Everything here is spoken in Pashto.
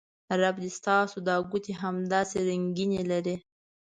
رب دې ستاسو دا ګوتې همداسې رنګینې لرې